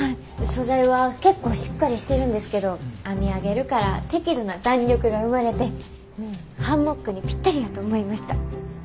素材は結構しっかりしてるんですけど編み上げるから適度な弾力が生まれてハンモックにぴったりやと思いました。